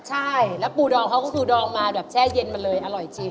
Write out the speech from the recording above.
ใช่แล้วปูดองเขาก็มีปูดองมาแช่เย็นมาเลยอร่อยจริ้ม